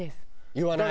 言わない。